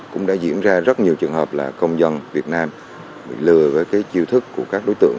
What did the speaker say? cũng đã diễn ra rất nhiều trường hợp là công dân việt nam bị lừa cái chiêu thức của các đối tượng